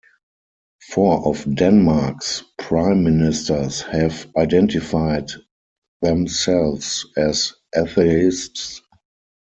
Four of Denmark's prime ministers have identified themselves as atheists.